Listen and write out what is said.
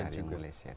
iya ada yang meleset